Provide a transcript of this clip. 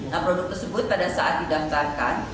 nah produk tersebut pada saat didaftarkan